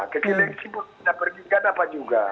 ke kileksi pun tidak pergi tidak dapat juga